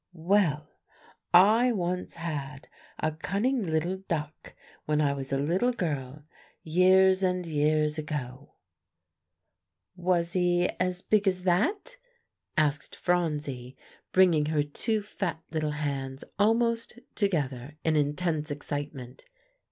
Well, I once had a cunning little duck, when I was a little girl years and years ago." [Illustration: The cunning little duck.] "Was he as big as that?" asked Phronsie, bringing her two fat little hands almost together in intense excitement.